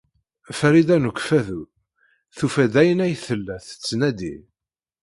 Farida n Ukeffadu tufa-d ayen ay tella tettnadi.